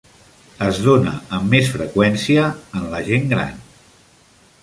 Es dóna amb més freqüència en la gent gran.